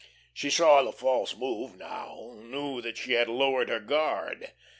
She saw the false move now, knew that she had lowered her guard.